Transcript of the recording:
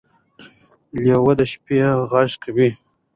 لیوه د شپې غږ کوي.